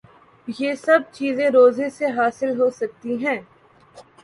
یہ سب چیزیں روزے سے حاصل ہو سکتی ہیں